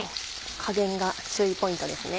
加減が注意ポイントですね。